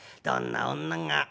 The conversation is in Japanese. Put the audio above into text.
どんな女が。